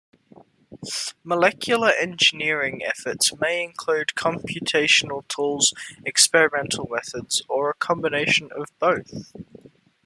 Molecular engineering efforts may include computational tools, experimental methods, or a combination of both.